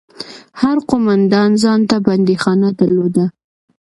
هر قومندان ځان ته بنديخانه درلوده.